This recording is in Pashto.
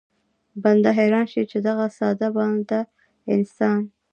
بنده حيران شي چې دغه ساده باده انسان